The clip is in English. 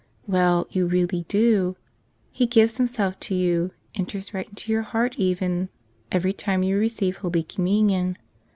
Well, you really do. He gives Himself to you, enters right into your heart even, every time you receive Holy Communion.